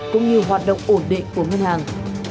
cũng như hoạt động ổn định của ngân hàng